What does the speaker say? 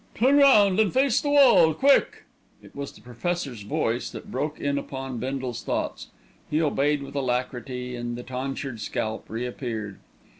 "Turn round and face the wall, quick!" It was the Professor's voice that broke in upon Bindle's thoughts. He obeyed with alacrity and the tonsured scalp reappeared.